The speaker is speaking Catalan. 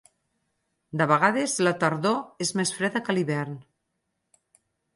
De vegades la tardor és més freda que l'hivern.